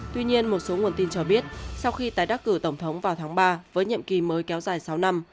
tuy nhiên một số nguồn tin cho biết sau khi tái đắc cử tổng thống vào tháng ba với nhiệm kỳ mới kéo dài sáu năm